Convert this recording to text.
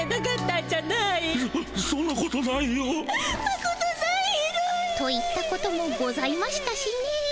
ひどい。といったこともございましたしね。